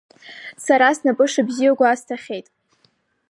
Сара снапы шыбзиоу гәасҭахьеит!